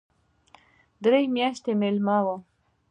درې میاشتې مېلمه وم.